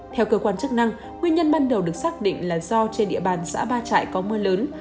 theo cơ quan chức năng nguyên nhân ban đầu được xác định là do trên địa bàn xã ba trại có mưa lớn